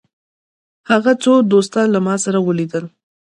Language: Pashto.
هغه څو دوستان له ما سره ولیدل.